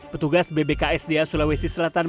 petugas bbksda sulawesi selatan